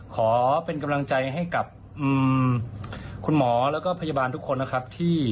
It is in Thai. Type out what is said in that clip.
ขอเป็นกำลังใจให้กับคุณหมอแล้วก็พยาบาลทุกคนนะครับที่